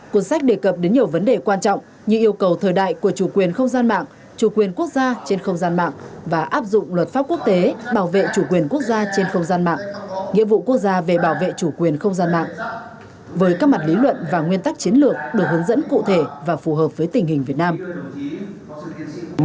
cuốn sách đề cập đến nhiều vấn đề quan trọng như yêu cầu thời đại của chủ quyền không gian mạng chủ quyền quốc gia trên không gian mạng và áp dụng luật pháp quốc tế bảo vệ chủ quyền quốc gia trên không gian mạng nghĩa vụ quốc gia về bảo vệ chủ quyền không gian mạng với các mặt lý luận và nguyên tắc chiến lược được hướng dẫn cụ thể và phù hợp với tình hình việt nam